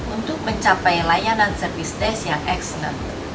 untuk mencapai layanan service desk yang excellent